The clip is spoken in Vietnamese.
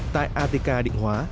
tại atk định hóa